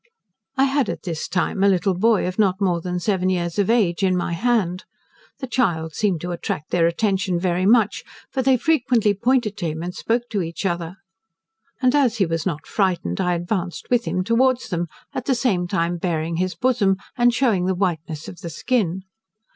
I had at this time a little boy, of not more than seven years of age, in my hand. The child seemed to attract their attention very much, for they frequently pointed to him and spoke to each other; and as he was not frightened, I advanced with him towards them, at the same time baring his bosom and, shewing the whiteness of the skin.